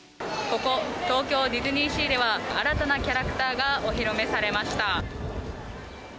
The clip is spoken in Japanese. ここ東京ディズニーシーでは新たなキャラクターがお披露目されました。